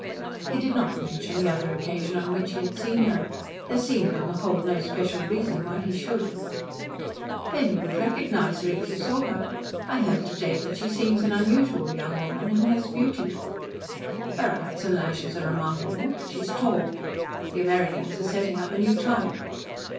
He did not mention the other occasion on which he had seen her. There seemed, on the whole, no special reason why he should. "Then you would recognise her, if you saw her. I heard to day that she seems an unusual young woman, and has beauty." "Her eyes and lashes are remarkable. She is tall. The Americans are setting up a new type."